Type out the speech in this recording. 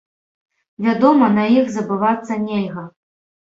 Вядома, на іх забывацца нельга.